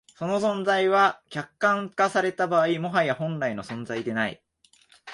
その存在は、客観化された場合、もはや本来の存在でない。